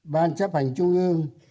ban chấp hành trung ương